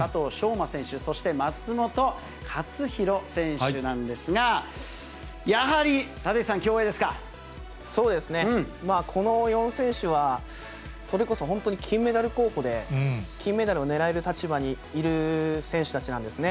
馬選手、そして松元克央選手なんですが、そうですね、この４選手は、それこそ本当に金メダル候補で、金メダルを狙える立場にいる選手たちなんですね。